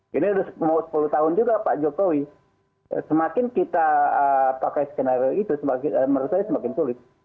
ini sudah mau sepuluh tahun juga pak jokowi semakin kita pakai skenario itu menurut saya semakin sulit